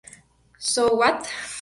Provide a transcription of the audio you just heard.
So What?